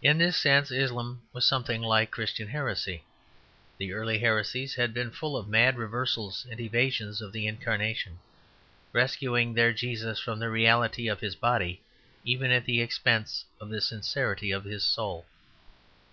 In this sense Islam was something like a Christian heresy. The early heresies had been full of mad reversals and evasions of the Incarnation, rescuing their Jesus from the reality of his body even at the expense of the sincerity of his soul.